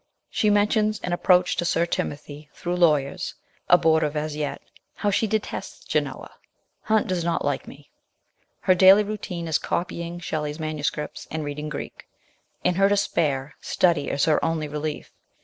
She mentions an ap proach to Sir Timothy, through lawyers, abortive as yet ; how she detests Genoa ;" Hunt does not like me/' Her daily routine is copying Shelley's manu scripts and reading Greek; in her despair, study is her only relief.